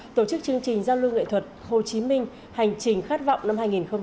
tổ chức chương trình giao lưu nghệ thuật hồ chí minh hành trình khát vọng năm hai nghìn hai mươi